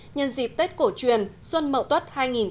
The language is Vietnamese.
nhân dịp tết cổ truyền xuân mậu tuất hai nghìn một mươi tám